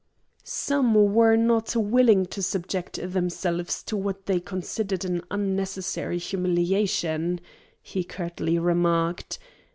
"Some were not willing to subject themselves to what they considered an unnecessary humiliation," he curtly remarked.